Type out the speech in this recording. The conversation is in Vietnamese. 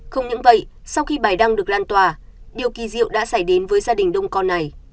không những vậy sau khi bài đăng được lan tỏa điều kỳ diệu đã xảy đến với gia đình đông con này